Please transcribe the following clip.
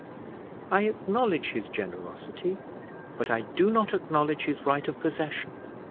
I acknowledge his generosity, but I do not acknowledge his right of possession.